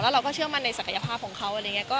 แล้วเราก็เชื่อมั่นในศักยภาพของเขา